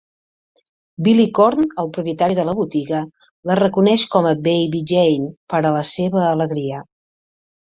Billy Korn, el propietari de la botiga, la reconeix com a Baby Jane, per a la seva alegria.